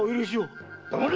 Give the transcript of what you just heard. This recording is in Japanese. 黙れ！